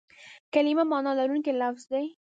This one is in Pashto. کلیمه مانا لرونکی لفظ دئ.